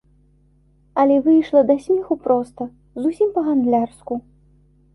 Але выйшла да смеху проста, зусім па-гандлярску.